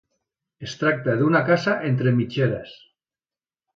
Es tracta d'una casa entre mitgeres.